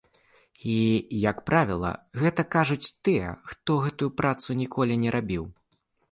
І, як правіла, гэта кажуць тыя, хто гэтую працу ніколі не рабіў.